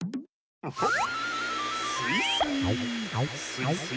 ウホッ。